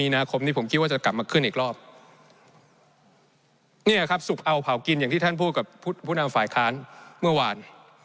นี่ครับสุกเอาเผากินอย่างที่ท่านพูดกับผู้นำฝ่ายค้านเมื่อวาน